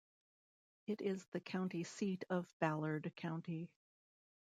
It is the county seat of Ballard County.